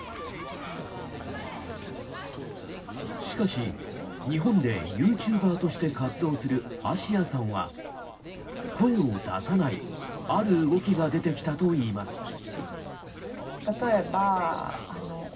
しかし、日本でユーチューバーとして活動するあしやさんは声を出さないある動きが出てきたといいます。